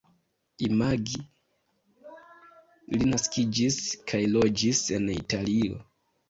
Li naskiĝis kaj loĝis en Italio.